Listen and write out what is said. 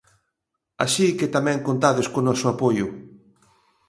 Así que tamén contades co noso apoio.